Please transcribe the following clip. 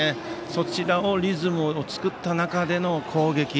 そちらでリズムを作った中での攻撃。